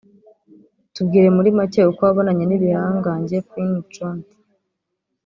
Tubwire muri make uko wabonanye n’ibihangange Quincy jones